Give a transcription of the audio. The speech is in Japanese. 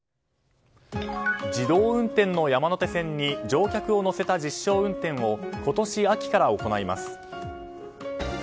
自動運転の山手線に乗客を乗せた実証実験を今年秋から行います。